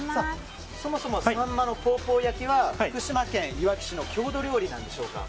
そもそもさんまのポーポー焼きは福島県いわき市の郷土料理なんでしょうか。